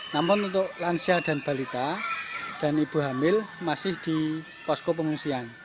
namun untuk lansia dan balita dan ibu hamil masih di posko pengungsian